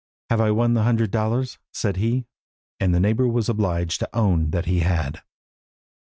"Have I won the hundred dollars?" said he, and the neighbour was obliged to own that he had.